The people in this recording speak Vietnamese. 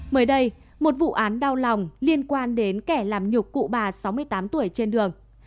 mới đây một vụ án đau lòng liên quan đến kẻ làm nhục cụ bà sáu mươi tám tuổi trên đường